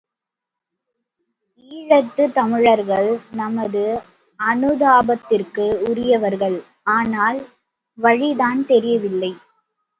ஈழத்துத் தமிழர்கள் நமது அனுதாபத்திற்கு உரியவர்கள் ஆனால் வழிதான் தெரியவில்லை.